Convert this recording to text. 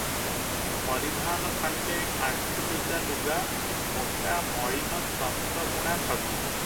ପରିଧାନ ଖଣ୍ଡେ ଆଣ୍ଠୁଲୁଚା ଲୁଗା, ମୋଟା ମଳିନ ତନ୍ତ ବୁଣା ଖଦି ।